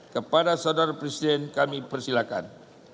kepada saudara presiden kami persilakan